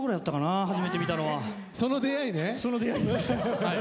その出会いです。